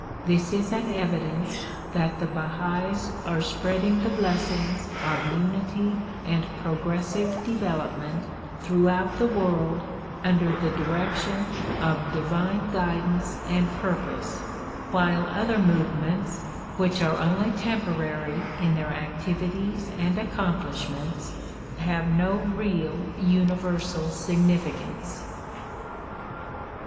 This is an evidence that the Bahais are spreading the blessings of unity and progressive de velopment throughout the world under the direction of divine guidance and purpose, while other movements which are only tem porary in their activities and accomplishments have no real, uni versal significance.